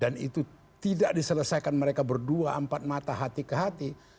dan itu tidak diselesaikan mereka berdua empat mata hati ke hati